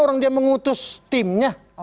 orang dia mengutus timnya